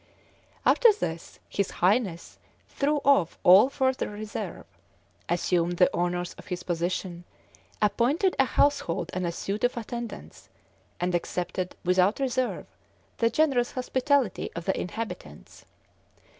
After this his "highness" threw off all further reserve, assumed the honours of his position, appointed a household and a suite of attendants, and accepted, without reserve, the generous hospitality of the inhabitants.